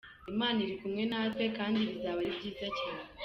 Imana irikumwe natwe kandi bizaba ari byiza cyane.